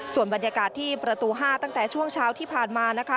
ส่วนบรรยากาศที่ประตู๕ตั้งแต่ช่วงเช้าที่ผ่านมานะคะ